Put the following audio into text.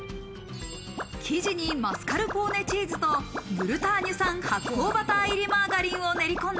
生地にマスカルポーネチーズとブルターニュ産発酵バター入りマーガリンを練りこんだ